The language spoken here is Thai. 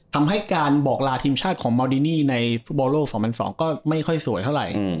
ทำให้การบอกลาทีมชาติของเมาดีนี่ในฟุตบอลโลก๒๐๐๒ก็ไม่ค่อยสวยเท่าไหร่